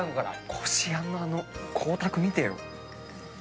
こしあんのあの光沢見てよ。